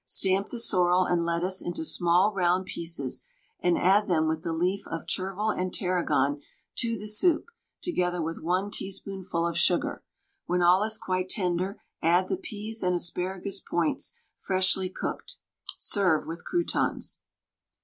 Stamp the sorrel and lettuce into small round pieces, and add them with the leaf of chervil and tarragon to the soup, together with 1 teaspoonful of sugar. When all is quite tender add the peas and asparagus points, freshly cooked; serve with croutons.